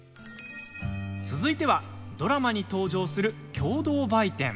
続いてはドラマに登場する共同売店。